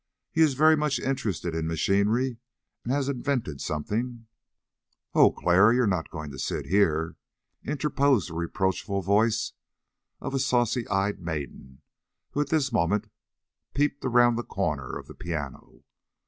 He is very much interested in machinery, and has invented something " "Oh, Clara, you are not going to sit here," interposed the reproachful voice of a saucy eyed maiden, who at this moment peeped around the corner of the piano.